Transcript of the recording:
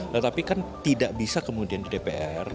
tetapi kan tidak bisa kemudian di dpr